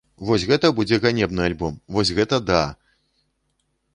Вось гэта будзе ганебны альбом, вось гэта да!